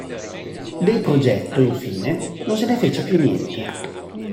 Del progetto, infine, non se ne fece più niente.